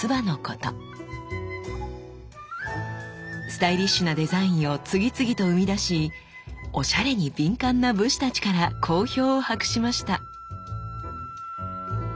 スタイリッシュなデザインを次々と生み出しおしゃれに敏感な武士たちから好評を博しました。